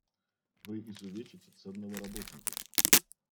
Вы изувечите ценного работника.